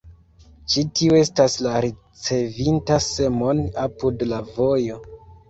Ĉi tiu estas la ricevinta semon apud la vojo.